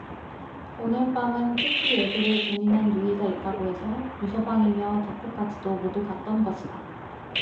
오늘 밤은 특히 애들의 재미난 유희가 있다고 해서 유서방이며 덕호까지도 모두 갔던 것이다.